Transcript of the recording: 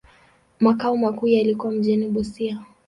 Makao makuu yalikuwa mjini Busia.